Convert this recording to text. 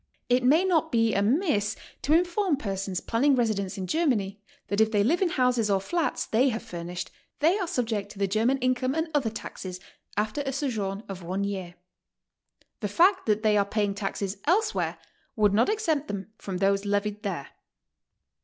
It may not be amiss to inform persons planning residence in Germany that if they live in houses or flats they have fur nished, they are subject to the German income and other taxes after a sojourn of one year. The fact that they are pay ing taxes elsewhere would not exempt them from those levied there.